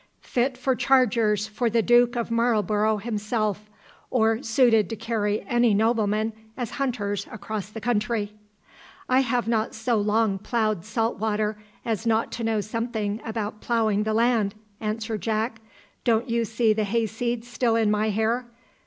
"Fit for chargers for the Duke of Marlborough himself, or suited to carry any noblemen as hunters across the country." "I have not so long ploughed salt water as not to know something about ploughing the land," answered Jack; "don't you see the hay seed still in my hair?